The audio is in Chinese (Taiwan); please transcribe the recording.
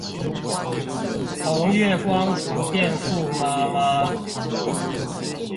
從月光族變富媽媽